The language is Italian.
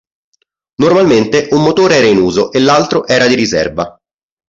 Normalmente un motore era in uso e l'altro era di riserva.